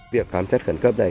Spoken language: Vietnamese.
việc khám xét khẩn cấp đây